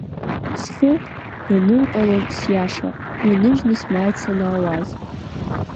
Схы ианырҟьалон сиаша, уи ныжьны смааит санаауаз.